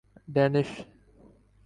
Danish